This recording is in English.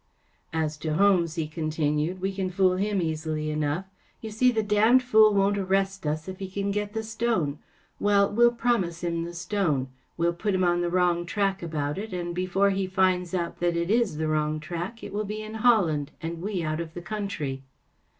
" As to Holmes,‚ÄĚ he continued, “ we can fool him easily enough. You see, the damned fool won't arrest us if he can get the stone. Well, we’ll promise him the stone. We’ll put him on the wrong track about it, and before he finds that it is the wrong track it will be in Holland and we out of the country."